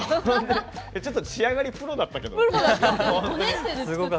ちょっと仕上がりプロだったけど。